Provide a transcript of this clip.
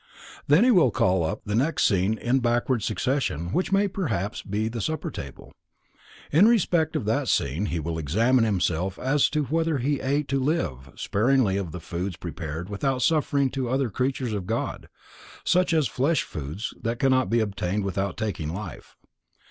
Then he will call up the next scene in backward succession which may perhaps be the supper table. In respect of that scene he will examine himself as to whether he ate to live, sparingly and of foods prepared without suffering to other creatures of God, (such as flesh foods that cannot be obtained without taking life).